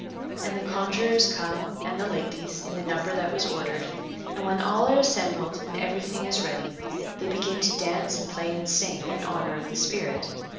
And the conjurors come, and the ladies, in the number that was ordered, and when all are assembled and everything is ready, they begin to dance and play and sing in honour of the spirit.